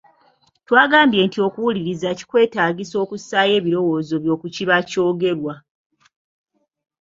Twagambye nti okuwuliriza kikwetaagisa okussaayo ebirowoozo byo ku kiba ky’ogerwa.